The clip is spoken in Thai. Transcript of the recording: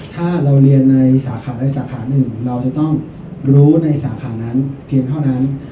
ถ้าเราเรียนในสาขาใดสาขาหนึ่งเราจะต้องรู้ในสาขานั้นเพียงเท่านั้น